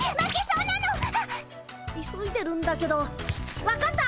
急いでるんだけど分かった！